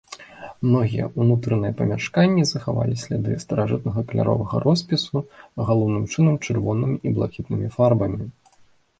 Многія ўнутраныя памяшканні захавалі сляды старажытнага каляровага роспісу, галоўным чынам чырвонымі і блакітнымі фарбамі.